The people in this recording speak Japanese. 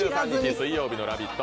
水曜日の「ラヴィット！」